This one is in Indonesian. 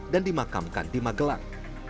dan dimakamkan di magelang